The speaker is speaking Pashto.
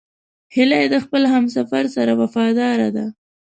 هیلۍ د خپل همسفر سره وفاداره ده